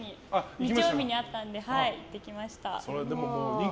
日曜日にあったので行きました。